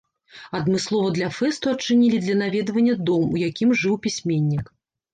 Адмыслова для фэсту адчынілі для наведвання дом, у якім жыў пісьменнік.